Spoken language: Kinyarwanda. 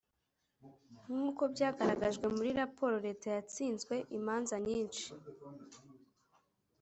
nk’ uko byagaragajwe muri raporo leta yatsinzwe imanza nyinshi